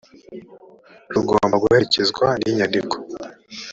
rugomba guherekezwa n’inyandiko